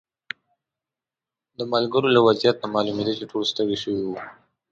د ملګرو له وضعیت نه معلومېده چې ټول ستړي شوي وو.